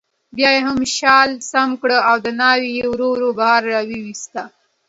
بیا یې شال سم کړ او ناوې یې ورو ورو بهر راوویسته